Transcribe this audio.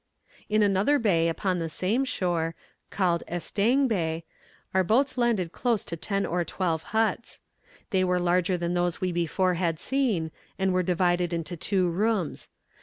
"In another bay upon the same shore, called Estaing Bay, the boats landed close to ten or twelve huts. They were larger than those we before had seen, and were divided into two rooms.